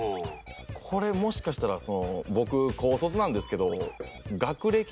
これもしかしたらその僕高卒なんですけど。